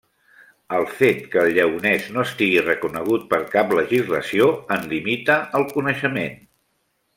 El fet que el lleonès no estigui reconegut per cap legislació en limita el coneixement.